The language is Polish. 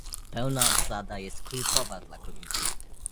Pełna obsada jest kluczowa dla Komisji